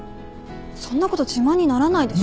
そんなこと自慢にならないでしょ。